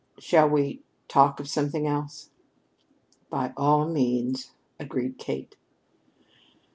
"Shall we talk of something else?" "By all means," agreed Kate.